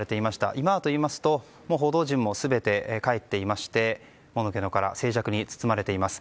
今はといいますともう報道陣も全て帰っていましてもぬけの殻静寂に包まれています。